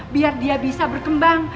biar dia bisa berkembang